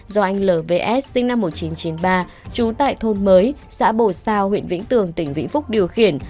do anh lvs sinh năm một nghìn chín trăm chín mươi ba trú tại thôn mới xã bồ sao huyện vĩnh tường tỉnh vĩnh phúc điều khiển